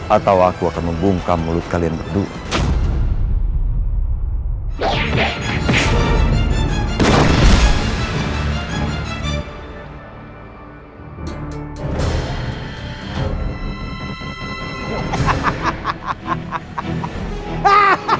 atau aku akan membungkam mulut kalian berdua